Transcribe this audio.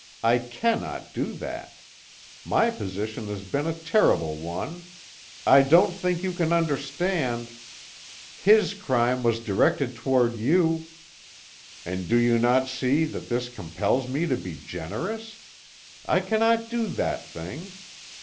I cannot do that. My position has been a terrible one. I don't think you can understand " "His crime was directed toward you " "And do you not see that this compels me to be generous? I cannot do that thing.